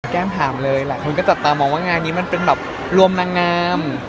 แก้มถามเลยหลายคนก็จับตามองว่างานนี้มันเป็นแบบรวมนางงาม